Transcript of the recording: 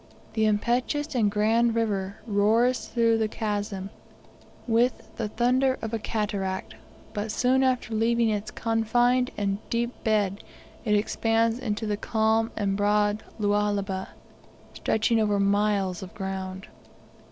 The impetuous and grand river roars through the chasm with the thunder of a cataract, but soon after leaving its confined and deep bed it expands into the calm and broad Lualaba, stretching over miles of ground.